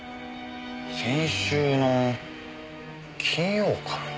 先週の金曜かな。